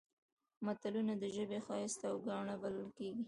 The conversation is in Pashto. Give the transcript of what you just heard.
متلونه د ژبې ښایست او ګاڼه بلل کېږي